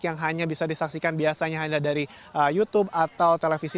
yang hanya bisa disaksikan biasanya hanya dari youtube atau televisi